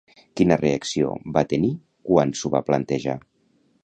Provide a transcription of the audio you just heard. Quina reacció va tenir quan s'ho va plantejar?